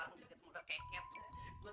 orang dikit muda keket